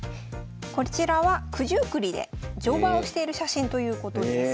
こちらは九十九里で乗馬をしている写真ということです。